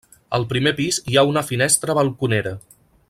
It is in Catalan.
Al primer pis hi ha una finestra balconera.